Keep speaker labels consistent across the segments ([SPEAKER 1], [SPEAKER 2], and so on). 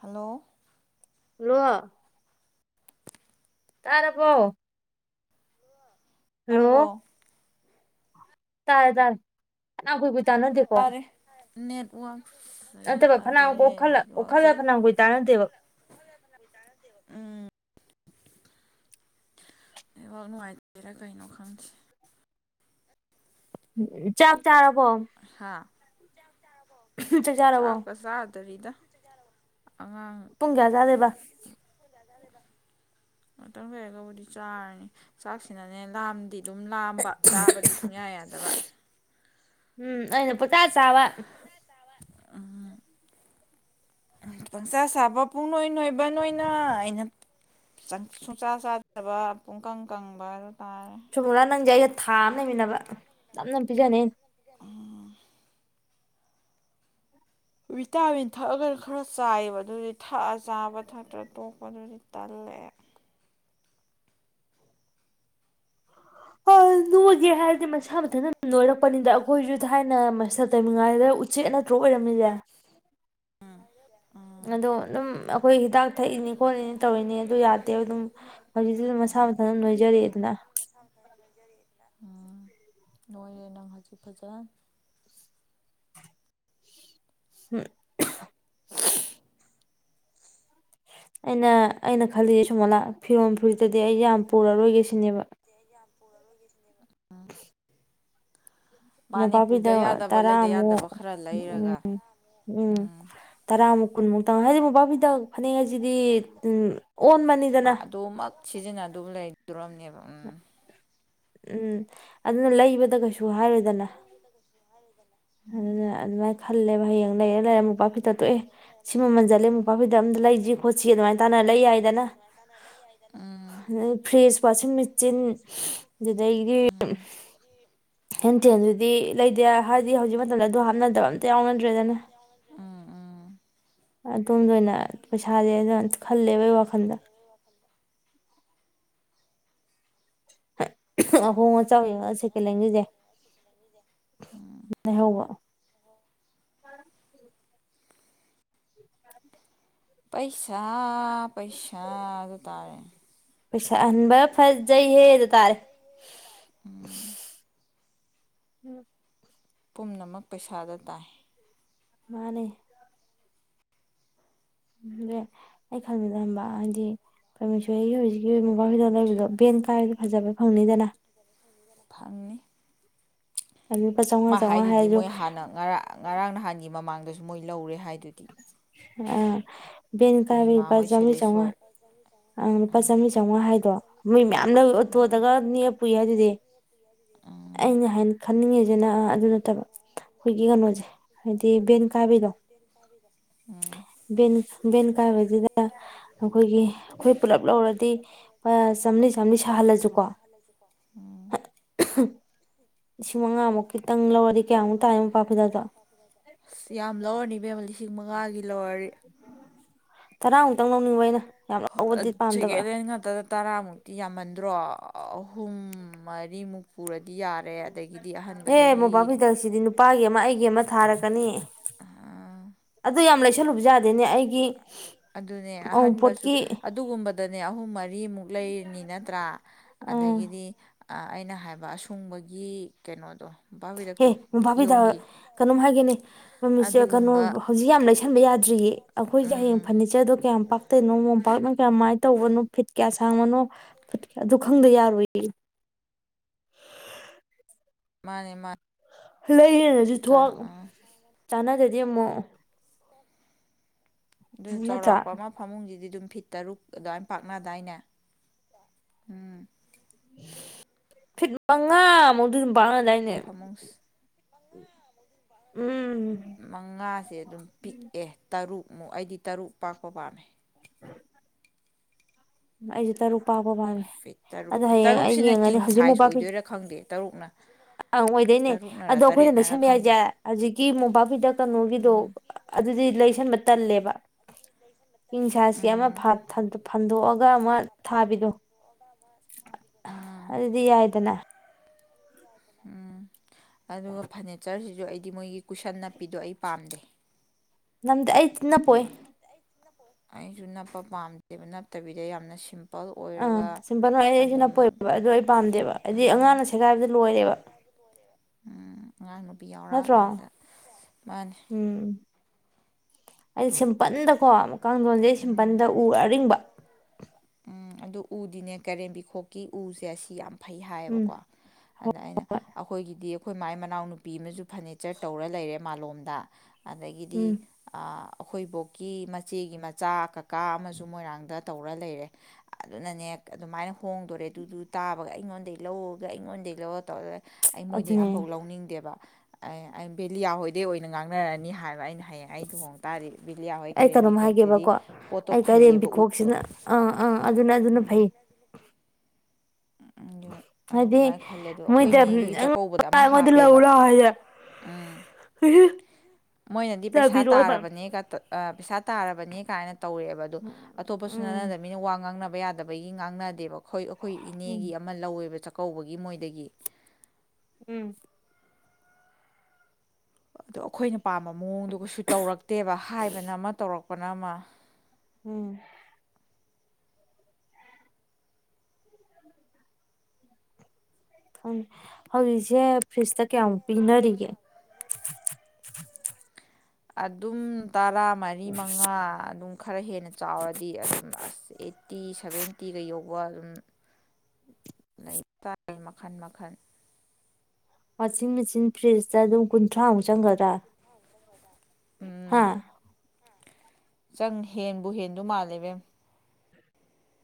[SPEAKER 1] Hello
[SPEAKER 2] hello ꯇꯥꯔꯕꯣ hello
[SPEAKER 1] ꯇꯥꯔꯕꯣ
[SPEAKER 2] ꯇꯥꯔꯦ ꯇꯥꯔꯦ ꯐꯥꯅꯝ ꯀꯨꯏ ꯀꯨꯏ ꯇꯅꯗꯤꯀꯣ
[SPEAKER 1] ꯅꯦꯠ ꯋꯥ
[SPEAKER 2] ꯅꯠꯇꯕ ꯐꯅꯝ ꯀꯣꯛꯈꯜꯂ ꯑꯣꯈꯜꯂ ꯐꯅꯝ ꯀꯨꯏ ꯇꯥꯅꯇꯦꯕ
[SPEAKER 1] ꯎꯝ ꯅꯦꯠ ꯋꯥꯛ ꯅꯨꯡꯉꯥꯏ ꯇ꯭ꯔꯤꯔꯥ ꯀꯩꯅꯣ ꯈꯪꯗꯦ
[SPEAKER 2] ꯎꯝ ꯎꯝ ꯆꯥꯛ ꯆꯥꯔꯕꯣ
[SPEAKER 1] ꯑꯥ
[SPEAKER 2] ꯎꯝꯍ ꯆꯥꯛ ꯆꯥꯔꯕꯣ
[SPEAKER 1] ꯇ꯭ꯔꯤꯗ
[SPEAKER 2] ꯄꯨꯡ ꯀꯌꯥ ꯆꯗꯩꯕ
[SPEAKER 1] ꯆꯗꯩꯕ ꯉꯇꯪ ꯂꯩꯔꯒꯕꯨꯗꯤ ꯆꯥꯔꯅꯤ ꯆꯥꯛꯁꯤꯅꯅꯦ ꯂꯥꯝꯗꯤ ꯗꯨꯝ ꯂꯥꯝꯕ ꯆꯥꯕꯗꯤ ꯁꯨꯡꯌꯥ ꯌꯥꯗꯕ
[SPEAKER 2] ꯎꯝ ꯑꯩꯅ ꯄꯨꯆꯥ ꯆꯥꯕ
[SPEAKER 1] ꯆꯥꯕ ꯎꯝ ꯄꯪꯆꯥ ꯆꯥꯕ ꯄꯨꯡ ꯅꯣꯏ ꯅꯣꯏꯕ ꯅꯣꯏꯅ ꯑꯩꯅ ꯆꯪ ꯁꯨꯡꯆꯥ ꯆꯥꯗꯕ ꯄꯨꯡꯀꯪ ꯀꯪꯕꯗꯣ
[SPEAKER 2] ꯆꯨꯃꯨꯔ ꯅꯪꯖꯦ ꯑꯩꯒ ꯊꯥ ꯑꯝ ꯂꯩꯃꯤꯟꯅꯕ ꯅꯝ ꯅꯝ ꯄꯤꯖꯅꯦ ꯑꯩꯅ
[SPEAKER 1] ꯎꯝ ꯚꯤꯇꯥꯃꯤꯟ ꯊꯛꯑꯒꯅ ꯈꯔ ꯆꯥꯏꯕ ꯑꯗꯨꯒꯤ ꯊꯛꯑ ꯆꯥꯕ ꯊꯛꯇ꯭ꯔ ꯇꯣꯛꯄꯗꯨꯗꯤ ꯇꯜꯂꯦ
[SPEAKER 2] ꯑꯥ ꯅꯣꯏ ꯒꯦ ꯍꯥꯏꯔꯗꯤ ꯃꯁꯥ ꯃꯊꯟꯅ ꯅꯣꯏꯔꯛꯄꯅꯤꯗ ꯑꯈꯣꯏꯁꯨ ꯊꯥꯏ ꯅ ꯃꯥꯁꯇꯔ ꯇꯝꯃꯤꯉꯥꯏꯗ ꯎ ꯆ‌ꯦꯛ ꯅꯠꯇ꯭ꯔꯣ ꯑꯣꯏꯔꯝꯃꯤꯖꯦ
[SPEAKER 1] ꯎꯝ
[SPEAKER 2] ꯑꯗꯣ ꯑꯗꯨꯝ ꯑꯈꯣꯏ ꯍꯤꯗꯥꯛ ꯊꯛꯏꯅꯤ ꯈꯣꯠꯂꯤꯅꯤ ꯇꯧꯔꯤꯅꯦ ꯑꯗꯨ ꯌꯥꯗꯦ ꯑꯗꯨꯝ ꯍꯧꯖꯤꯛꯇꯤ ꯑꯗꯨꯝ ꯃꯁꯥ ꯃꯊꯟ ꯅꯣꯏꯖꯔꯛꯑꯦ ꯗꯅ
[SPEAKER 1] ꯅꯣꯏꯖꯔꯦꯑꯦꯗꯅ ꯎꯝ ꯅꯣꯏꯔꯦ ꯅꯪ ꯍꯧꯖꯤꯛ ꯐꯖꯅ
[SPEAKER 2] [unintelligible] ꯑꯩꯅ ꯑꯩꯅ ꯈꯜꯂꯤꯌꯦ ꯁꯨꯋꯥꯅꯥ ꯐꯤꯔꯣꯝ ꯔꯣꯏꯇꯗꯤ ꯑꯩ ꯌꯥꯝ ꯄꯨꯔꯔꯣꯏꯒꯦ ꯁꯤꯅꯦꯕ
[SPEAKER 1] ꯄꯨꯔꯔꯣꯏꯒꯦ ꯁꯤꯅꯦꯕ ꯃꯥꯅꯦ ꯄꯨꯗ
[SPEAKER 2] ꯃꯣꯝꯄꯥꯛꯄꯤꯗꯛ
[SPEAKER 1] ꯌꯥꯗꯕ ꯂꯩꯗ
[SPEAKER 2] ꯇꯔꯥꯃꯨꯛ
[SPEAKER 1] ꯌꯥꯗꯕ ꯈꯔ
[SPEAKER 2] ꯎꯝ
[SPEAKER 1] ꯂꯩꯔꯒ
[SPEAKER 2] ꯎꯝ ꯇꯔꯥꯃꯨꯛ ꯀꯨꯟꯃꯨꯛꯇꯪ ꯍꯥꯏꯗꯤ ꯃꯣꯝꯄꯛꯐꯤꯗꯛ ꯐꯅꯦꯛ ꯍꯥꯏꯁꯤꯗꯤ ꯎꯝ ꯑꯣꯟꯕꯅꯤꯗꯅ
[SPEAKER 1] ꯑꯗꯨꯃꯛ ꯁꯤꯖꯤꯟꯅ ꯑꯗꯨꯝ ꯂꯩꯗꯔꯣꯝꯅꯦ
[SPEAKER 2] [unintelligible] ꯎꯝ ꯑꯗꯨꯅ ꯂꯩꯕꯗ ꯀꯩꯁꯨ ꯍꯥꯏꯔꯣꯏꯗꯅ ꯑꯗꯨꯅ ꯑꯗꯨꯃꯥꯏ ꯈꯟ ꯈꯜꯂꯦꯕ ꯍꯌꯦꯡ ꯂꯩꯔ ꯂꯩꯔ ꯃꯣꯟꯄꯥꯛ ꯐꯤꯗꯛ ꯇꯣ ꯑꯦ ꯁꯤ ꯃꯥꯃꯜ ꯆꯠꯂꯦ ꯃꯣꯟꯄꯛ ꯐꯤꯗꯛ ꯑꯝꯇ ꯂꯩꯁꯤ ꯈꯣꯠꯁꯤ ꯑꯗꯨꯃꯥꯏꯅ ꯇꯥꯅ ꯂꯩ ꯌꯥꯏꯗꯅ
[SPEAKER 1] ꯎꯝ
[SPEAKER 2] ꯑꯗꯩ ꯐ꯭ꯔꯤꯖ ꯋꯥꯆꯤꯟ ꯃꯦꯆꯤꯟ ꯑꯗꯨꯗꯩꯩꯒꯤ
[SPEAKER 1] ꯎꯝ
[SPEAKER 2] ꯍꯦꯟꯊꯦꯟꯗꯨꯗꯤ
[SPEAKER 1] ꯅꯪꯁꯨ
[SPEAKER 2] ꯂꯩꯗꯦ ꯌꯥ
[SPEAKER 1] ꯑꯗꯨꯗꯤ
[SPEAKER 2] ꯍꯥꯏ ꯍꯧꯖꯤꯛ
[SPEAKER 1] ꯂꯩꯇꯦ
[SPEAKER 2] ꯃꯇꯝꯗ ꯑꯗꯨ
[SPEAKER 1] ꯍꯥꯏꯗꯤ ꯍꯧꯖꯤꯛ
[SPEAKER 2] ꯍꯥꯞꯅꯗꯕ ꯑꯝꯇ
[SPEAKER 1] ꯃꯇꯝꯗ ꯑꯗꯨ ꯍꯥꯞꯅꯗꯕ
[SPEAKER 2] ꯌꯥꯎꯅꯗ꯭ꯔꯦꯗꯅ
[SPEAKER 1] ꯑꯝꯇ ꯌꯥꯎꯅꯗ꯭ꯔꯦ ꯎꯝ ꯎꯝ
[SPEAKER 2] ꯑꯗꯣꯝꯗ ꯑꯣꯏꯅ ꯄꯩꯁꯥꯁꯦ ꯑꯩꯅ ꯈꯜꯂꯦꯕ ꯑꯩ ꯋꯥꯈꯜꯗ꯫ ꯑꯍꯣꯡ ꯑꯆꯥꯎ ꯌꯦꯡꯂꯒ ꯁꯦꯀꯦꯂꯦꯟꯒꯤꯁꯦ ꯂꯩꯍꯧꯕ
[SPEAKER 1] ꯄꯩꯁ ꯄꯩꯁꯥ ꯄꯩꯁꯥ ꯑꯗꯨ ꯇꯥꯔꯦ
[SPEAKER 2] ꯄꯩꯁꯥ ꯑꯍꯟꯕ ꯐꯖꯩꯍꯦꯗꯨ ꯇꯥꯔꯦ꯫
[SPEAKER 1] ꯎꯝ꯫
[SPEAKER 2] [unintelligible]
[SPEAKER 1] ꯄꯨꯝꯅꯃꯛ ꯄꯩꯁꯥꯗ ꯇꯥꯏ
[SPEAKER 2] ꯃꯥꯅꯦ꯫ ꯎꯔꯦ ꯑꯩꯅ ꯈꯟꯕꯗ ꯈꯡꯕꯔ꯭ ꯍꯥꯏꯗꯤ ꯄꯔꯃꯦꯁꯣꯔꯤꯒ ꯍꯧꯖꯤꯛꯀꯤ ꯔꯤꯕ ꯃꯣꯟꯄꯥꯛ ꯐꯤꯗꯛ ꯂꯩꯕꯗꯣ ꯕꯦꯟ ꯀꯥꯏꯔꯗꯤ ꯐꯖꯕ ꯐꯪꯅꯤꯗꯅ꯫
[SPEAKER 1] ꯐꯪꯅꯤꯗꯅ ꯐꯪꯅꯤ꯫
[SPEAKER 2] ꯑꯗꯨ ꯂꯨꯄꯥ ꯆꯥꯝꯃꯉꯥ
[SPEAKER 1] ꯃꯥ
[SPEAKER 2] ꯆꯥꯝꯃꯉꯥ
[SPEAKER 1] ꯍꯥꯏꯗꯨꯗꯤ
[SPEAKER 2] ꯍꯥꯏꯔꯁꯨ
[SPEAKER 1] ꯃꯣꯏ ꯍꯥꯟꯅ ꯉꯔꯥꯡ ꯉꯔꯥꯡ ꯅꯥꯍꯥꯟ ꯒꯤ ꯃꯃꯥꯡꯗꯁꯨ ꯃꯣꯏ ꯂꯧꯔꯦ ꯍꯥꯏꯗꯨꯗꯤ
[SPEAKER 2] ꯑꯥ ꯚꯦꯟ ꯀꯥꯏꯕꯩ
[SPEAKER 1] ꯄꯨꯔꯅꯤꯃꯥ
[SPEAKER 2] ꯂꯨꯄꯥ
[SPEAKER 1] ꯍꯣꯏ
[SPEAKER 2] ꯆꯥꯝꯃꯔꯤ
[SPEAKER 1] ꯁꯦꯂꯤꯁ
[SPEAKER 2] ꯆꯧꯉꯥ
[SPEAKER 1] ꯍꯣꯏ
[SPEAKER 2] ꯑꯪ ꯂꯨꯄꯥ ꯆꯥꯝꯃꯔꯤ ꯆꯧꯉꯥ ꯍꯥꯏꯗꯣ ꯃꯣꯏ ꯃꯌꯥꯝꯅꯒ ꯑꯣꯇꯣꯗꯒ ꯅꯦꯛꯑꯒ ꯄꯨꯏ ꯍꯥꯏꯗꯨꯗꯤ
[SPEAKER 1] ꯎꯝ
[SPEAKER 2] ꯑꯩꯅ ꯍꯥꯟ ꯈꯟꯅꯤꯡꯉꯤꯁꯤꯅ ꯑꯗꯨ ꯅꯠꯇꯕ ꯑꯩꯈꯣꯏꯒꯤ ꯀꯩꯅꯣꯁꯦ ꯍꯥꯏꯗꯤ ꯚꯦꯟ ꯀꯥꯏꯕꯩꯗꯣ
[SPEAKER 1] ꯎꯝ
[SPEAKER 2] ꯕꯦꯟ ꯀꯥꯏꯕꯁꯤꯗ ꯑꯩꯈꯣꯏꯒꯤ ꯑꯩꯈꯣꯏ ꯄꯨꯂꯞ ꯂꯧꯔꯗꯤ ꯂꯨꯞ ꯆꯥꯝꯔꯤ ꯆꯥꯝꯔꯤ ꯁꯥꯍꯜꯂꯁꯤꯀꯣ ꯂꯤꯁꯤꯡ ꯃꯉꯥꯃꯨꯛ ꯈꯤꯇꯪ ꯂꯧꯔꯗꯤ ꯀꯌꯥꯃꯨꯛ ꯇꯥꯏꯅꯤ ꯃꯣꯟꯄꯥꯛ ꯐꯤꯗꯥꯛꯇꯣ
[SPEAKER 1] ꯑꯁ ꯌꯥꯝ ꯂꯧꯔꯅꯤ ꯏꯕꯦꯝꯃ ꯂꯤꯁꯤꯡ ꯃꯉꯥꯒꯤ ꯂꯧꯔꯔꯤ
[SPEAKER 2] ꯇꯔꯥꯃꯨꯛꯇꯪ ꯂꯧꯅꯤꯡꯕ ꯑꯩꯅ꯫ ꯌꯥꯝ ꯂꯧꯕꯗꯤ ꯄꯥꯝꯗꯕ
[SPEAKER 1] ꯁꯦꯀꯦꯟꯍꯦꯟ ꯉꯛꯇꯗ ꯇꯔꯥꯃꯨꯛꯇꯤ ꯌꯥꯝꯃꯟꯗ꯭ꯔꯣ꯫ ꯑꯍꯨꯝ ꯃꯔꯤꯃꯨꯛ ꯄꯨꯔꯗꯤ ꯌꯥ
[SPEAKER 2] ꯑꯦ ꯃꯣꯟꯄꯥꯛ ꯐꯤꯗꯥꯛꯁꯤꯗꯤ ꯅꯨꯄꯥꯒꯤ ꯑꯃ ꯑꯩꯒꯤ ꯑꯃ ꯊꯥꯔꯛꯀꯅꯤ
[SPEAKER 1] ꯑꯥ
[SPEAKER 2] ꯑꯗꯨ ꯌꯥꯝ ꯂꯩꯁꯤꯜꯂꯨꯕꯁꯨ
[SPEAKER 1] ꯑꯗꯨꯅꯦ ꯑꯍꯟꯕꯁꯨ
[SPEAKER 2] ꯑꯎꯟꯄꯣꯠꯀꯤ
[SPEAKER 1] ꯑꯗꯨꯒꯨꯝꯕꯗꯅꯦ ꯑꯍꯨꯝ ꯃꯔꯤ ꯔꯤꯃꯨ ꯂꯩꯔꯤꯅꯤ ꯅꯠꯇ꯭ꯔꯥ
[SPEAKER 2] ꯑꯥ
[SPEAKER 1] ꯑꯗꯒꯤꯗꯤ ꯑꯩꯅ ꯍꯥꯏꯕ ꯑꯁꯨꯡꯕꯒꯤ ꯀꯩꯅꯣꯗꯣ
[SPEAKER 2] ꯍꯦ
[SPEAKER 1] ꯃꯣꯝꯄꯥꯛꯄꯤꯔꯛꯇꯣ
[SPEAKER 2] ꯃꯣꯄꯥꯛ ꯐꯤꯗꯛ
[SPEAKER 1] ꯏꯌꯣꯡꯒꯤ
[SPEAKER 2] ꯀꯩꯅꯣꯝ ꯍꯥꯏꯒꯦꯅꯦ ꯃꯃꯤꯁꯦ ꯀꯩꯅꯣ
[SPEAKER 1] ꯑꯗꯨꯒꯨꯝꯕ
[SPEAKER 2] ꯍꯧꯖꯤꯛ ꯌꯥꯝ ꯂꯩ ꯁꯟꯕ ꯌꯥꯗ꯭ꯔꯤꯌꯦ ꯑꯩꯈꯣꯏꯒꯤ ꯍꯌꯦꯡ
[SPEAKER 1] ꯎꯝ
[SPEAKER 2] ꯐꯔꯅꯤꯆꯔꯗꯣ ꯀꯌꯥꯝ ꯄꯥꯛ ꯀꯩꯅꯣ ꯃꯣꯝꯄꯥꯛꯅ ꯀꯌꯥꯃꯥꯏꯅ ꯇꯧꯕꯅꯣ ꯐꯤꯠ ꯀꯌꯥ ꯁꯥꯡꯕꯅꯣ ꯑꯗꯨ ꯈꯪꯗ ꯌꯥꯔꯣꯏꯌꯦ
[SPEAKER 1] ꯃꯥꯅꯦ ꯃꯥꯅꯦ
[SPEAKER 2] ꯂꯩꯌꯦꯅꯁꯨ ꯊꯣꯛ ꯆꯥꯟꯅꯗꯦ ꯗꯩꯩꯃꯨꯛ
[SPEAKER 1] ꯑꯗꯨ
[SPEAKER 2] ꯅꯠꯇ꯭ꯔꯥ
[SPEAKER 1] ꯆꯥꯎꯔꯥꯛꯄ ꯑꯃ ꯐꯃꯨꯡꯖꯤꯗꯤ ꯑꯗꯨꯝ ꯐꯤꯠ ꯇꯔꯨꯛ ꯑꯗꯨꯃꯥꯏ ꯄꯥꯛꯅꯗꯥꯏꯅꯦ ꯎꯝ
[SPEAKER 2] ꯐꯤꯠ ꯃꯉꯥ ꯃꯨꯛꯇꯤ ꯄꯛꯅꯥꯗꯥꯏꯅꯦ
[SPEAKER 1] ꯐꯃꯨꯡ ꯃꯉꯥꯁꯦ ꯑꯗꯨꯝ ꯄꯤꯛꯑꯦ ꯇꯔꯨꯛ ꯑꯩꯗꯤ ꯇꯔꯨꯛ ꯄꯥꯛꯄ ꯄꯥꯝꯃꯦ
[SPEAKER 2] ꯑꯩꯖꯤ ꯇꯔꯨꯛ ꯄꯥꯛ ꯑꯣ ꯃꯥꯅꯦ
[SPEAKER 1] ꯐꯤꯠ ꯇꯔꯨꯛ
[SPEAKER 2] ꯑꯗꯣ ꯍꯌꯦꯡ ꯑꯩ
[SPEAKER 1] ꯇꯔꯨꯛꯁꯤꯅ
[SPEAKER 2] ꯌꯦꯡꯉꯅꯤ
[SPEAKER 1] ꯀꯤꯡ
[SPEAKER 2] ꯍꯧꯖꯤꯛ
[SPEAKER 1] ꯁꯥꯏꯖ
[SPEAKER 2] ꯃꯣꯝꯄꯥꯛꯄꯤ
[SPEAKER 1] ꯑꯣꯏꯗꯣꯏꯔꯥ ꯈꯪꯗꯦ ꯇꯔꯨꯛꯅ
[SPEAKER 2] ꯑꯪ ꯑꯣꯏꯗꯣꯏꯅꯦ
[SPEAKER 1] ꯇꯔꯨꯛꯅꯔ
[SPEAKER 2] ꯑꯗꯣ ꯑꯈꯣꯏꯅ
[SPEAKER 1] ꯇꯔꯦꯠꯅꯔ
[SPEAKER 2] ꯂꯩꯁꯟꯕ
[SPEAKER 1] ꯈꯪꯗꯦ
[SPEAKER 2] ꯍꯥꯏꯁꯦ ꯍꯧꯖꯤꯛꯀꯤ ꯃꯣꯝꯄꯥꯛꯄꯤꯗ ꯀꯩꯅꯣꯒꯤꯗꯣ ꯑꯗꯨꯗꯤ ꯂꯩꯁꯟꯕ ꯇꯜꯂꯦꯕ ꯏꯟꯖꯥꯁꯤ ꯑꯃ
[SPEAKER 1] ꯎꯝ
[SPEAKER 2] ꯐꯟꯗꯣꯛꯑꯒ ꯑꯃ ꯊꯥꯕꯤꯗꯨꯣ
[SPEAKER 1] ꯎꯝ
[SPEAKER 2] ꯑꯗꯨꯗꯤ ꯌꯥꯏꯗꯅ
[SPEAKER 1] ꯎꯝ ꯑꯗꯨꯒ ꯐꯔꯅꯤꯆꯔꯁꯤ ꯑꯗꯨꯗꯣ ꯑꯩꯗꯤ ꯃꯣꯏꯒꯤ ꯀꯨꯏꯁꯟ ꯅꯥꯞꯄꯤꯗꯣ ꯑꯩ ꯄꯥꯝꯗꯦ
[SPEAKER 2] ꯅꯝꯗꯦ ꯑꯩꯗꯤ ꯅꯞꯄꯣꯏ
[SPEAKER 1] ꯑꯩꯁꯨ ꯅꯞꯄ ꯄꯥꯝꯗꯦꯕ ꯅꯞꯠꯇꯕꯤꯗ ꯌꯥꯝꯅ ꯁꯤꯝ
[SPEAKER 2] ꯑꯥ ꯁꯤꯝꯄꯜ ꯅꯣꯏ ꯑꯩ ꯑꯩꯁꯨ ꯅꯄꯣꯏꯕ ꯑꯗꯨ ꯑꯩ ꯄꯥꯝꯗꯦꯕ ꯍꯥꯏꯗꯤ ꯑꯉꯥꯡꯅ ꯁꯦꯒꯥꯏꯕꯗ ꯂꯣꯏꯔꯦꯕ
[SPEAKER 1] ꯎꯝ ꯑꯉꯥꯡ ꯅꯨꯄꯤ
[SPEAKER 2] ꯅꯠꯇ꯭ꯔꯣ
[SPEAKER 1] ꯌꯥꯎꯔꯛꯑꯀꯥꯟꯗ ꯃꯥꯅꯤ
[SPEAKER 2] ꯎꯝ ꯑꯩ ꯁꯤꯝ ꯁꯤꯄꯟꯗꯀꯣ ꯀꯥꯡꯊꯣꯟꯁꯦ ꯁꯤꯝꯄꯟꯗ ꯎ ꯑꯔꯤꯡꯕ
[SPEAKER 1] ꯎꯝ ꯑꯗꯨ ꯎꯗꯤꯅꯦ ꯀꯥꯔꯦꯝꯕꯤꯈꯣꯛꯀꯤ ꯎꯁꯦ ꯑꯁꯤ ꯌꯥꯝ ꯐꯩ
[SPEAKER 2] ꯎꯝ
[SPEAKER 1] ꯍꯥꯏꯌꯦꯕꯀꯣ
[SPEAKER 2] ꯍꯣꯏ
[SPEAKER 1] ꯑꯗ ꯑꯩꯅ ꯑꯈꯣꯏꯒꯤꯗꯤ ꯑꯈꯣꯏ ꯃꯥꯏ ꯃꯅꯥꯎ ꯅꯨꯄꯤ ꯑꯃꯁꯨ ꯐꯔꯅꯤꯆꯔ ꯇꯧꯔ ꯂꯩꯔꯦ ꯃꯥꯂꯣꯝꯗ ꯑꯗꯒꯤꯗꯤ
[SPEAKER 2] ꯎꯝ
[SPEAKER 1] ꯑꯑ ꯑꯈꯣꯏꯕꯨꯣꯛ ꯀꯤ ꯃꯆꯦꯒꯤ ꯃꯆꯥ ꯀꯛ ꯀꯥ ꯑꯃꯁꯨ ꯃꯣꯏꯔꯥꯡꯗ ꯇꯧꯔ ꯂꯩꯔꯦ ꯑꯗꯨꯅꯅꯦ ꯑꯗꯨꯃꯥꯏꯅ ꯍꯣꯡꯗꯣꯔꯦ ꯑꯗꯨꯗꯨ ꯇꯥꯕꯒ ꯑꯩꯉꯣꯟꯗꯩ ꯂꯧ ꯑꯗꯨ ꯑꯩꯉꯣꯟꯗꯩ ꯂꯧꯔ ꯇꯧꯔ ꯑꯩ ꯃꯣꯏꯗꯒꯤ
[SPEAKER 2] ꯑꯗꯨꯅꯦ
[SPEAKER 1] ꯑꯃꯕꯨꯛ ꯂꯧꯅꯤꯡꯗꯦꯕ ꯑꯦ ꯑꯩ ꯕꯦꯂꯤ ꯌꯥꯍꯣꯏꯗꯩ ꯑꯣꯏꯅ ꯉꯥꯡꯅꯔꯅꯤ ꯍꯥꯏꯕ ꯑꯩꯅ ꯍꯦ ꯍ ꯂꯨꯍꯣꯡ ꯇꯥ ꯕꯤꯂꯤꯌꯥ ꯍꯣꯏ
[SPEAKER 2] ꯑꯩ
[SPEAKER 1] ꯀꯔꯦꯝꯕꯤ
[SPEAKER 2] ꯀꯩꯅꯣꯝ
[SPEAKER 1] ꯈꯣꯛꯇꯗꯤ
[SPEAKER 2] ꯍꯥꯏꯒꯦꯕꯀꯣ
[SPEAKER 1] ꯄꯣꯠꯇꯣ
[SPEAKER 2] ꯑꯩ ꯀꯩꯔꯦꯝ
[SPEAKER 1] ꯐꯩꯌꯦꯕ ꯎꯗꯣ
[SPEAKER 2] ꯄꯤꯈꯣꯛꯁꯤꯅ ꯑꯥ ꯑꯥ ꯑꯗꯨꯅ ꯑꯗꯨꯅ ꯐꯩ
[SPEAKER 1] ꯑꯗꯨ ꯑꯩ
[SPEAKER 2] ꯍꯥꯏꯗꯤ
[SPEAKER 1] ꯑꯗꯨꯃꯥꯏꯅ ꯈꯜꯂꯦ ꯑꯗꯣ
[SPEAKER 2] ꯃꯣꯏꯗ
[SPEAKER 1] ꯑꯩꯈꯣꯏꯅꯦꯒꯤ ꯆꯥꯛꯀꯧꯕꯗ ꯑꯃ
[SPEAKER 2] ꯑꯩꯉꯣꯟꯗ ꯂꯧ
[SPEAKER 1] ꯍꯥꯞꯄꯦꯕ
[SPEAKER 2] ꯂꯥꯎ ꯍꯥꯏꯗ
[SPEAKER 1] ꯎꯝ ꯃꯣꯏꯅꯗꯤ ꯄꯩꯁꯥ
[SPEAKER 2] ꯇꯥꯕꯤꯔꯛꯑꯣꯏꯕ
[SPEAKER 1] ꯇꯥꯔꯕꯅꯦꯒ ꯄꯩꯁꯥ ꯇꯥꯔꯕꯅꯤ ꯀꯥꯏꯅ ꯇꯧꯔꯛꯦꯕ ꯑꯗꯨꯣ ꯑꯇꯣꯞꯄꯁꯨ
[SPEAKER 2] ꯎꯝ
[SPEAKER 1] ꯅꯅꯗꯕ ꯃꯤꯅ ꯋꯥ ꯉꯥꯡꯅꯕ ꯌꯥꯗꯕꯒꯤ ꯉꯥꯡꯅꯗꯦꯕ ꯑꯩꯏ ꯑꯩꯈꯣꯏ
[SPEAKER 2] ꯎꯝ
[SPEAKER 1] ꯏꯅꯦꯒꯤ ꯑꯃ ꯂꯧꯋꯦꯕ ꯆꯠ ꯀꯧꯕꯒꯤ ꯃꯣꯏꯗꯒꯤ
[SPEAKER 2] ꯎꯝ
[SPEAKER 1] ꯑꯗꯣ ꯑꯈꯣꯏꯅ ꯄꯥꯝꯕ ꯃꯑꯣꯡꯗꯨ ꯀꯩꯁꯨ ꯇꯧꯔꯛꯇꯦꯕ ꯍꯥꯏꯕꯅ ꯑꯃ ꯇꯧꯔꯛꯄꯅ ꯑꯃ
[SPEAKER 2] ꯎꯝ [unintelligible] ꯍꯧꯖꯤꯛꯁꯦ ꯐ꯭ꯔꯤꯖꯇ ꯀꯌꯥꯃꯨꯛ ꯄꯤꯅꯔꯤꯒꯦ
[SPEAKER 1] ꯑꯗꯨꯝ ꯇꯔꯥ ꯃꯔꯤ ꯃꯉꯥ ꯑꯗꯨꯝ ꯈꯔ ꯍꯦꯟꯅ ꯆꯥꯎꯔꯗꯤ ꯑꯗꯨꯝ ꯑꯁ ꯑꯦ ꯐꯤꯇꯤ ꯁꯚꯦꯟꯇꯤꯒ ꯌꯧꯕ ꯑꯗꯨꯝ ꯂꯩꯕ ꯇꯥꯔꯦ ꯃꯈꯜ ꯃꯈꯜ
[SPEAKER 2] ꯋꯥꯁꯤꯡ ꯃꯦꯆꯤꯟ ꯐ꯭ꯔꯤꯖꯗ ꯑꯗꯨꯝ ꯀꯨꯟꯊ꯭ꯔꯥꯃꯨꯛ ꯆꯪꯒꯗ꯭ꯔꯥ
[SPEAKER 1] ꯎꯝ
[SPEAKER 2] ꯍꯥ
[SPEAKER 1] ꯆꯪ ꯍꯦꯟꯕꯨ ꯍꯦꯟꯗꯨ ꯃꯥꯜꯂꯦꯕꯦꯝ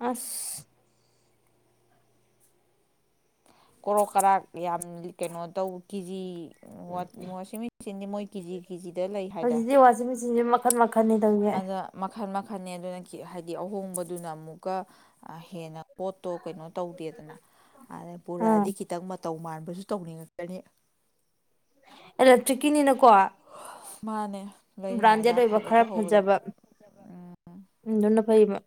[SPEAKER 2] ꯑꯁ
[SPEAKER 1] ꯀꯣꯔꯣꯛ ꯀꯔꯥꯛ ꯌꯥꯝ ꯀꯩꯅꯣ ꯇꯧ ꯀꯦꯖꯤ ꯋꯥ ꯃꯣꯁꯃꯤ ꯁꯤꯟꯗꯤꯃꯣꯏ ꯀ ꯖꯤꯒꯒꯤ
[SPEAKER 2] ꯍꯧꯖꯤꯗꯤ ꯋꯥꯁꯤꯁꯤ ꯃꯛ ꯐꯃꯛ
[SPEAKER 1] ꯑꯗ ꯃꯈꯜ ꯃꯈꯥ ꯐꯅꯦ ꯑꯗꯨꯅ ꯀꯤ ꯍꯥꯏꯗꯤ ꯑꯍꯣꯡꯕꯗꯨꯅ ꯑꯃꯨꯛꯀ ꯍꯦꯟꯅ ꯄꯣꯠꯇꯣ ꯀꯩꯅꯣ ꯇꯧꯗꯦꯗꯅ ꯑꯗ
[SPEAKER 2] ꯑꯥ
[SPEAKER 1] ꯄꯨꯔꯛꯑꯗꯤ ꯈꯤꯇꯪ ꯇꯧ ꯃꯥꯟꯕꯁꯨ ꯇꯧꯅꯤꯡꯉꯛꯀꯅꯤ
[SPEAKER 2] [unintelligible] ꯇ꯭ꯔꯤꯛꯀꯤꯅꯤꯅꯀꯣ
[SPEAKER 1] ꯃꯥꯅꯦ ꯂꯩꯔꯤꯉꯩꯗ
[SPEAKER 2] ꯕ꯭ꯔꯥꯟꯗꯦꯠ ꯑꯣꯏꯕ
[SPEAKER 1] ꯑꯐꯕ
[SPEAKER 2] ꯈꯔ
[SPEAKER 1] ꯇꯧꯍꯧꯕꯗꯣ
[SPEAKER 2] ꯐꯖꯕ
[SPEAKER 1] ꯎꯝ
[SPEAKER 2] ꯑꯗꯨꯅ ꯐꯩꯕ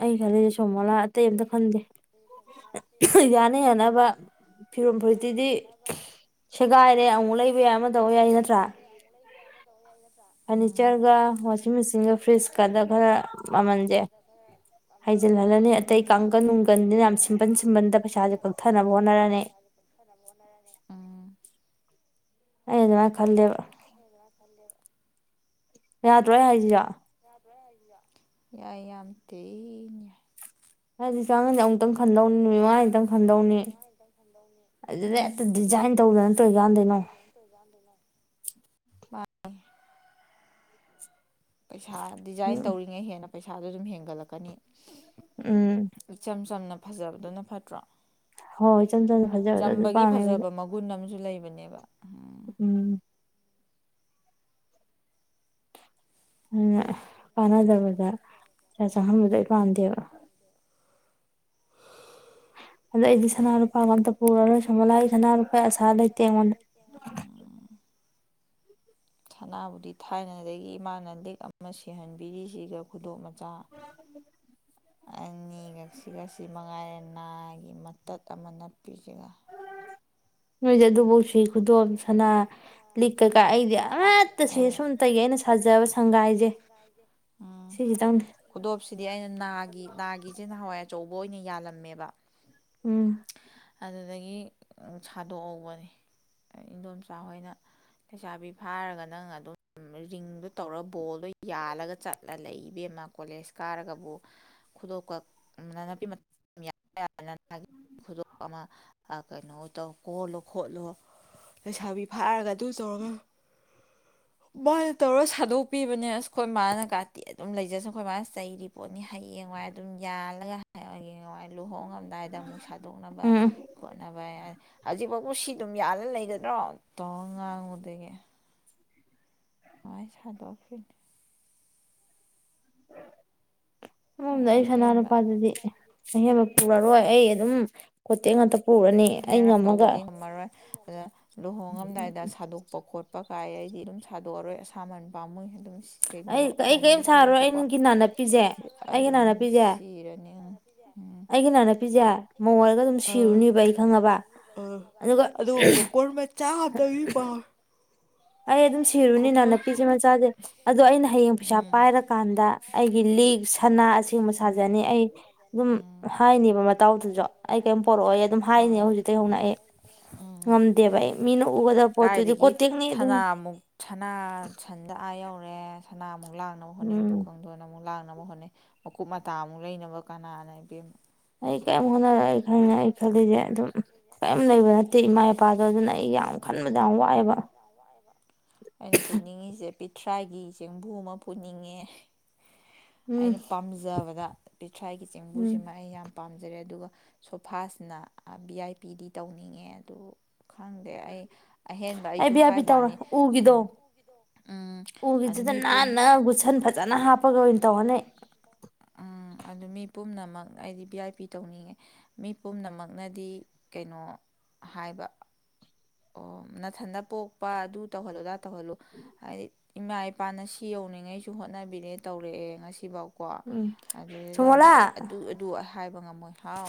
[SPEAKER 2] ꯑꯩ ꯈꯜꯂꯤꯁꯦ ꯁꯣ ꯃꯣꯂꯥ ꯑꯇꯩ ꯑꯝꯇ ꯈꯟꯗꯦ [unintelligible] ꯌꯥꯅꯥ ꯌꯥꯅꯕ ꯐꯤꯔꯣꯜ ꯐꯨꯔꯤꯠꯇꯨꯗꯤ ꯁꯦꯒꯥꯏꯔꯦ ꯑꯃꯨꯛ ꯂꯩꯕ ꯌꯥꯏ ꯑꯃ ꯇꯧꯕ ꯌꯥꯏ ꯅꯠꯇ꯭ꯔꯥ
[SPEAKER 1] ꯎꯝ
[SPEAKER 2] ꯐꯔꯅꯤꯆꯔꯒ ꯋꯥꯁꯤꯡ ꯃꯦꯆꯤꯟꯒ ꯐ꯭ꯔꯤꯖꯀꯗ ꯈꯔ ꯃꯃꯜꯁꯦ ꯍꯥꯏꯖꯤꯜꯍꯜꯂꯅꯤ ꯑꯇꯩ
[SPEAKER 1] ꯎꯝ
[SPEAKER 2] ꯀꯥꯡꯒꯟ ꯅꯨꯡꯒꯟꯖꯦ ꯌꯥꯝ ꯁꯤꯝꯄꯟ ꯁꯤꯝꯄꯟꯗ ꯄꯩꯁꯥꯁꯦ ꯀꯛꯊꯅꯕ ꯍꯣꯠꯅꯔꯅꯤ ꯑꯩ
[SPEAKER 1] ꯎꯝ
[SPEAKER 2] ꯑꯩ ꯑꯗꯨꯃꯥꯏꯅ ꯈꯜꯂꯦꯕ
[SPEAKER 1] ꯑꯩ ꯑꯗꯨꯃꯥꯏꯅ ꯈꯜꯂꯦꯕ
[SPEAKER 2] ꯌꯥꯗ꯭ꯔꯣ ꯑꯩ ꯍꯥꯏꯖꯤꯖꯨ
[SPEAKER 1] [unintelligible] ꯌꯥꯏ ꯌꯥꯝ ꯊꯤ ꯌꯥꯏ
[SPEAKER 2] [unintelligible] ꯇꯪ ꯈꯟꯗꯧꯅꯤ ꯅꯨꯃꯤꯠ ꯃꯉꯥꯅꯤꯇꯩ ꯈꯟꯗꯧꯅꯤ ꯑꯗꯨꯗ ꯍꯦꯛꯇ
[SPEAKER 1] ꯎꯝ
[SPEAKER 2] ꯗꯤꯖꯥꯏꯟ ꯇꯧꯗꯅ ꯇꯧꯏ ꯀꯩ ꯀꯥꯟꯗꯏꯅꯣ
[SPEAKER 1] [inaudible] ꯄꯩꯁꯥ ꯗꯤꯖꯥꯏꯟ ꯇꯧꯔꯤꯉꯩ ꯍꯦꯟꯅ ꯄꯩꯁꯥꯗꯣ ꯁꯨꯝ ꯍꯦꯟꯒꯠꯂꯛꯀꯅꯤ
[SPEAKER 2] ꯎꯝ
[SPEAKER 1] [unintelligible] ꯐꯖꯕꯗꯨꯅ ꯐꯠꯇ꯭ꯔꯣ
[SPEAKER 2] ꯍꯣꯏ ꯍ ꯏꯆꯝ ꯆꯝꯁ ꯐꯖꯕꯗꯣ ꯑꯗꯨ
[SPEAKER 1] ꯆꯝꯕꯒꯤ
[SPEAKER 2] ꯄꯥꯝꯃꯦ ꯑꯩꯗ
[SPEAKER 1] ꯐꯖꯕ ꯃꯒꯨꯟ ꯑꯃꯁꯨ ꯂꯩꯕꯅꯦꯕ
[SPEAKER 2] ꯎꯝ ꯑꯗꯨꯅ ꯀꯥꯟꯅꯗꯕꯗ ꯄꯩꯥꯁꯥ ꯆꯪꯍꯟꯕꯗꯣ ꯑꯩ ꯄꯥꯝꯗꯦꯕ ꯑꯗꯣ ꯑꯩꯗꯤ ꯁꯅꯥ ꯂꯨꯄꯥꯒ ꯑꯝꯇ ꯄꯨꯔꯔꯣꯏ ꯁꯣꯃꯣꯂꯥ ꯁꯥꯅ ꯂꯨꯄꯥ ꯑꯁꯥ ꯂꯩꯇꯦ ꯑꯩꯉꯣꯟꯗ
[SPEAKER 1] ꯁꯅꯥꯕꯨꯗꯤ ꯊꯥꯏꯅꯗꯒꯤ ꯏꯃꯥꯅ ꯂꯤꯛ ꯑꯃ ꯁꯤꯍꯟꯕꯤꯔꯤꯁꯤꯒ ꯈꯨꯗꯣꯞ ꯃ ꯃꯆꯥ ꯑꯅꯤꯒꯛꯁꯤꯒ ꯁꯤ ꯃꯉꯥꯏꯔꯦ ꯅꯥꯒꯤ ꯃꯇꯠ ꯑꯃ ꯅꯞꯄꯤꯖꯤ
[SPEAKER 2] [unintelligible]
[SPEAKER 1] ꯅꯣꯏꯗꯤ ꯑꯗꯨꯐꯧ
[SPEAKER 2] ꯈꯨꯗꯣꯞ
[SPEAKER 1] ꯁꯤ
[SPEAKER 2] ꯁꯅꯥ
[SPEAKER 1] ꯈꯨꯗꯣꯞ ꯁꯥꯅꯥ
[SPEAKER 2] ꯂꯤꯛ ꯀꯩꯀꯥ
[SPEAKER 1] ꯂꯤꯛ
[SPEAKER 2] ꯑꯩꯗꯤ
[SPEAKER 1] ꯀꯩꯀꯥ ꯑꯩꯗꯤ
[SPEAKER 2] ꯑꯃꯠꯇ ꯁꯨꯏ
[SPEAKER 1] ꯑꯃꯠꯇꯁꯨ
[SPEAKER 2] ꯁꯨꯝꯇꯒꯤ ꯑꯩꯅ
[SPEAKER 1] ꯁꯨꯞꯇꯒꯤ
[SPEAKER 2] ꯁꯥꯖꯕ
[SPEAKER 1] ꯑꯩꯅ ꯁꯥꯖꯕ
[SPEAKER 2] ꯁꯪꯒꯥꯏꯁꯦ
[SPEAKER 1] ꯁꯪꯒꯥꯏꯁꯦ ꯎꯝ
[SPEAKER 2] ꯁꯤꯈꯤꯇꯪꯅꯤ
[SPEAKER 1] ꯈꯨꯗꯣꯞꯁꯤꯗꯤ ꯑꯩꯅ ꯅꯥꯒꯤ ꯅꯥꯒꯤꯁꯤ ꯅꯍꯥꯋꯥꯏ ꯑꯆꯧꯕ ꯑꯣꯏꯅ ꯌꯥꯜꯂꯝꯃꯦꯕ
[SPEAKER 2] ꯎꯝ
[SPEAKER 1] ꯑꯗꯨꯗꯒꯤ ꯁꯥꯗꯣꯛꯍꯧꯕꯅꯤ ꯏꯗꯣꯝꯆꯥꯍꯣꯏꯅ ꯂꯩꯩꯁꯥꯕꯤ ꯐꯥꯔꯒ ꯅꯪ ꯑꯗꯨꯝ ꯔꯤꯡꯗꯣ ꯇꯧꯔꯒ ꯕꯣꯜꯗꯣ ꯌꯥꯜꯂꯒ ꯆꯠꯂ ꯂꯩ ꯏꯕꯦꯝꯃ ꯀꯣꯂꯦꯖ ꯀꯥꯔꯒꯕꯨ ꯈꯨꯗꯣꯀꯅꯅꯄꯤ ꯒꯤ ꯈꯨꯗꯣ ꯑꯃ ꯀꯩꯅꯣ ꯇꯧ ꯀꯣꯜꯂꯣ ꯈꯣꯠꯂꯣ ꯂꯩꯁꯥꯕꯤ ꯐꯥꯔꯒ ꯑꯗꯨ ꯇꯧꯔꯒ ꯃꯥꯅ ꯇꯧꯔ ꯁꯥꯗꯣꯛꯄꯤꯕꯅꯦ ꯑꯁ ꯑꯩꯈꯣꯏ ꯃꯥꯅ ꯀꯥꯇꯤ ꯑꯗꯨꯝ ꯂꯩꯖꯁ ꯑꯩꯈꯣꯏ ꯃꯥꯅ ꯆꯩꯔꯤ ꯄꯣꯠꯅꯤ ꯍꯌꯦꯡꯋꯥꯏ ꯑꯗꯨꯝ ꯌꯥꯜꯂꯒꯏ ꯂꯨꯍꯣꯡꯉꯝꯗꯥꯏꯗ ꯑꯃꯨꯛ ꯁꯥꯗꯣꯛꯅꯕ
[SPEAKER 2] ꯎꯝ ꯎꯝ
[SPEAKER 1] ꯈꯣꯠꯅꯕ ꯍꯧꯖꯤꯛꯐꯥꯎ ꯎꯁꯤꯗ ꯌꯥꯅ ꯂꯩꯒꯗ꯭ꯔꯣ ꯇꯧ ꯉꯥꯡꯉꯨꯗꯒꯤ ꯍ ꯁꯗꯣꯛ ꯐ
[SPEAKER 2] ꯎꯝ ꯎꯝꯗ ꯑꯩ ꯁꯅꯥ
[SPEAKER 1] ꯑꯍꯦꯟꯕ
[SPEAKER 2] ꯅꯨꯄꯥꯗꯨꯗꯤ ꯑꯍꯦꯝꯃꯛ ꯄꯨꯔꯔꯣꯏ ꯑꯩ ꯑꯗꯨꯝ ꯈꯣꯠꯇꯦ ꯉꯥꯛꯇ ꯄꯨꯔꯅꯤ ꯑꯩ
[SPEAKER 1] ꯍꯦꯔꯥꯡ
[SPEAKER 2] ꯉꯝꯃꯒ
[SPEAKER 1] ꯇꯧꯕꯗꯤ ꯉꯝꯃꯔꯣꯏ ꯑꯗꯨꯗ ꯂꯨꯍꯣꯡꯉꯝꯗꯥꯏꯗ ꯁꯥꯗꯣꯛꯄ ꯈꯣꯠꯄ ꯀꯥꯏ ꯑꯩꯗꯤ ꯑꯗꯨꯝ ꯁꯥꯗꯣꯛꯑꯔꯣꯏ ꯑꯁꯥꯃꯟ ꯄꯥꯝꯃꯣꯏ ꯑꯗꯨꯝ
[SPEAKER 2] ꯑꯩ
[SPEAKER 1] ꯀꯩꯒꯨꯝꯕ
[SPEAKER 2] ꯑꯩ
[SPEAKER 1] ꯍꯣꯡꯉꯦ
[SPEAKER 2] ꯀꯔꯤꯝ ꯁꯥꯔꯣꯏ
[SPEAKER 1] ꯈꯜꯂꯁꯨꯀꯣ
[SPEAKER 2] ꯑꯩꯒꯤ ꯅꯥꯅꯞꯄꯤꯁꯦ
[SPEAKER 1] ꯑꯗꯨꯝ ꯁꯤꯔꯅꯤ ꯁꯤꯏ
[SPEAKER 2] ꯑꯩꯅꯅ ꯄꯤꯤꯁꯦ ꯃꯉꯣꯟꯜꯗꯒ ꯑꯗꯨꯝ ꯁꯤꯔꯨꯅꯦꯕ ꯑꯩ ꯈꯪꯉꯕ ꯑꯗꯨꯒ
[SPEAKER 1] ꯆꯥ ꯇꯕꯤ ꯄꯥ
[SPEAKER 2] ꯑꯩ ꯑꯗꯨꯝ ꯁꯤꯔꯨꯅꯤꯅ ꯅꯨꯄꯤꯁꯦ ꯃꯆꯥꯁꯦ ꯑꯗꯣ ꯑꯩꯅ ꯍꯌꯦꯡ ꯄꯩꯁꯥ ꯄꯥꯏꯔꯀꯥꯟꯗ ꯑꯩꯒꯤ ꯂꯤꯛ ꯁꯅꯥ ꯑꯁꯦꯡꯕ ꯁꯥꯖꯅꯤ ꯑꯩ ꯑꯗꯨꯝ
[SPEAKER 1] ꯎꯝ
[SPEAKER 2] ꯍꯥꯏꯅꯦꯕ ꯃꯇꯥꯎꯗꯨꯁꯨ ꯑꯩ ꯀꯔꯤꯝ ꯄꯣꯔꯛꯑꯣ ꯑꯩ ꯑꯗꯨꯝ ꯍꯥꯏꯅꯤ
[SPEAKER 1] ꯎꯝ
[SPEAKER 2] ꯍꯧꯖꯤꯛꯇ ꯍꯧꯅ ꯑꯩ
[SPEAKER 1] ꯎꯝ
[SPEAKER 2] ꯉꯝꯗꯦꯕ ꯑꯩ ꯃꯤꯅ ꯎꯒꯗꯕ ꯄꯣꯠꯇꯨꯗꯤ ꯀꯣꯠꯇꯦꯛꯅꯤ
[SPEAKER 1] ꯁꯒꯥꯃꯨꯛ ꯁꯅꯥ ꯁꯟꯗ ꯑꯥ ꯌꯧꯔꯦꯅꯥ ꯑ ꯑꯃꯨꯛ ꯂꯪꯅ ꯍꯅ ꯣ
[SPEAKER 2] ꯎꯝ
[SPEAKER 1] ꯀꯥꯡꯗꯅ ꯑꯃꯨꯛ ꯂꯪꯅ ꯍꯣꯠꯅꯩ ꯃꯀꯨꯨꯞ ꯃꯇ ꯑꯃꯨꯛ ꯂꯩꯅꯕ ꯀꯅꯥꯅ
[SPEAKER 2] ꯑꯩ ꯀ ꯍꯣꯠꯅꯔꯛ ꯑꯩ ꯈꯅꯤ ꯑꯩ ꯈꯜꯂꯤꯁꯦ ꯑꯗꯨꯝ ꯀꯔꯤꯝ ꯂꯩꯕ ꯅꯠꯇꯦ ꯏꯃꯥ ꯏꯄꯥꯗꯣ ꯑꯗꯨꯅ ꯑꯩ ꯌꯥꯝ ꯈꯟꯕꯗ ꯌꯥꯝ ꯋꯥꯏꯑꯦꯕ
[SPEAKER 1] ꯄꯤꯊ꯭ꯔꯥꯒꯤ ꯆꯦꯡꯕꯨ ꯑꯃ ꯄꯨꯅꯤꯡꯉꯦ
[SPEAKER 2] ꯎꯝ
[SPEAKER 1] ꯑꯩꯅ ꯄꯥꯝꯖꯕꯗ ꯄꯤꯊ꯭ꯔꯥꯏꯒꯤ
[SPEAKER 2] ꯎꯝ
[SPEAKER 1] ꯆꯦꯡꯕꯨꯁꯤꯃ ꯑꯩ ꯌꯥꯝꯅ ꯄꯥꯝꯖꯔꯦ ꯑꯗꯨꯒ ꯁꯣꯐꯥꯁꯤꯅ ꯚ ꯑꯥꯏ ꯄꯤꯗꯤ ꯇꯧꯅꯤꯡꯉꯦ ꯑꯗꯨ ꯈꯪꯗꯦ ꯑꯩ ꯑꯍꯦꯟꯕ
[SPEAKER 2] ꯑꯩ
[SPEAKER 1] ꯑꯩꯁꯨ
[SPEAKER 2] ꯚꯤ ꯑꯥꯏ ꯄꯤ
[SPEAKER 1] ꯍꯥꯏꯕ
[SPEAKER 2] ꯇꯧꯔꯦ
[SPEAKER 1] ꯋꯥꯅꯤ
[SPEAKER 2] ꯎꯒꯤꯗꯣ
[SPEAKER 1] ꯎꯝ ꯎꯝ ꯑꯗꯨ
[SPEAKER 2] ꯎꯒꯤꯗꯨꯗ
[SPEAKER 1] ꯃꯤꯄꯨꯝ
[SPEAKER 2] ꯅꯥꯟꯅ ꯒꯨꯠꯁꯟ ꯐꯖꯅ ꯍꯥꯞꯄꯒ ꯑꯣꯏꯅ ꯇꯧꯔꯅꯤ
[SPEAKER 1] ꯎꯝ ꯑꯗꯨ ꯃꯤ ꯄꯨꯝꯅꯃꯛ ꯑꯩꯗꯤ ꯚꯤ ꯑꯥꯏ ꯄꯤ ꯇꯧꯅꯤꯡꯉꯦ ꯃꯤ ꯄꯨꯝꯅꯃꯛꯅꯗꯤ ꯀꯩꯅꯣ ꯍꯥꯏꯕ ꯑꯣ ꯅꯥꯊꯟꯗ ꯄꯣꯛꯄ ꯑꯗꯨ ꯇꯧꯍꯜꯂꯨꯗꯥ ꯇꯧꯍꯜꯂꯨ ꯍꯥꯏꯗꯤ ꯏꯃꯥ ꯏꯄꯥꯅ ꯁꯤ ꯌꯧꯅꯤꯡꯉꯩꯁꯨ ꯍꯣꯠꯅꯕꯤꯔꯦ ꯇꯧꯔꯛꯑꯦ ꯉꯁꯤꯐꯥꯎ ꯀꯣ
[SPEAKER 2] ꯎꯝ
[SPEAKER 1] ꯑꯗꯨꯏꯗ ꯑꯃꯨꯛꯀ ꯑꯗꯨ ꯑꯗꯨ ꯍꯥꯏꯕ ꯉꯝꯃꯣꯏ ꯍꯥꯎ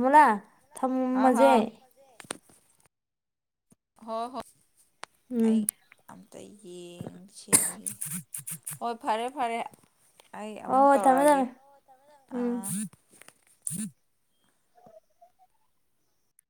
[SPEAKER 2] ꯃꯂ ꯊ
[SPEAKER 1] ꯍꯥꯎ
[SPEAKER 2] ꯃꯖꯦ
[SPEAKER 1] ꯍꯥꯎ ꯍ ꯍꯣꯏ
[SPEAKER 2] ꯎꯝ
[SPEAKER 1] ꯑꯩ ꯑꯝꯇ ꯌꯦꯡ ꯁꯦꯝꯈꯤ ꯍꯣꯏ ꯐꯔꯦ ꯐꯔꯦ ꯑꯩ ꯑꯃꯨꯛ
[SPEAKER 2] ꯑꯣ ꯊꯃꯦ
[SPEAKER 1] ꯇꯧꯔꯛꯑꯒꯦ
[SPEAKER 2] ꯊꯃꯦ
[SPEAKER 1] ꯑꯥ
[SPEAKER 2] ꯎꯝ [inaudible]
[SPEAKER 1] ꯑꯥ